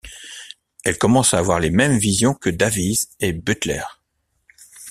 Elle commence à avoir les mêmes visions que Davies et Butler.